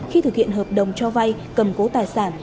khi thực hiện hợp đồng cho vay cầm cố tài sản